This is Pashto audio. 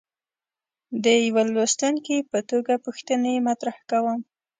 د یوه لوستونکي په توګه پوښتنې مطرح کوم.